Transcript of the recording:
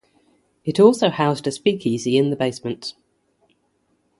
It also housed a speakeasy in the basement.